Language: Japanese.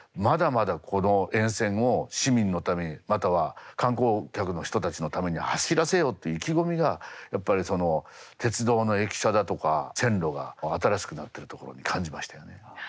まだまだこの沿線を市民のためにまたは観光客の人たちのために走らせようっていう意気込みがやっぱりその鉄道の駅舎だとか線路が新しくなってるところに感じましたよね。